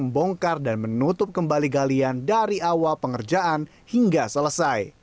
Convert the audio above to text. pemerintah provinsi dki jakarta menutup kembali galian dari awal pengerjaan hingga selesai